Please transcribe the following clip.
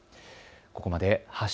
ここまで＃